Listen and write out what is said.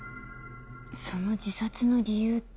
その自殺の理由って。